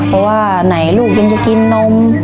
เพราะว่าไหนลูกยังจะกินนม